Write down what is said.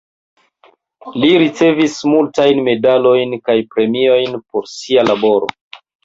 Li ricevis multajn medalojn kaj premiojn por sia laboro.